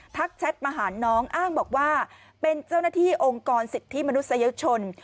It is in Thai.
แชทมาหาน้องอ้างบอกว่าเป็นเจ้าหน้าที่องค์กรสิทธิมนุษยชน